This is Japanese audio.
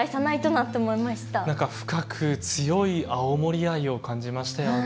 何か深く強い青森愛を感じましたよね。